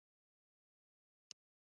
د کلونو شمېر دوه دېرش کاله دی.